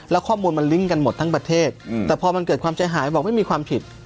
แล้วข้อมูลมันลิ้งกันหมดทั้งประเทศแต่พอมันเกิดความใจหายบอกไม่มีความผิด